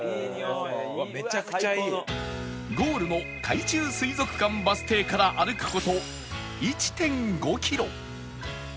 ゴールの海中水族館バス停から歩く事 １．５ キロ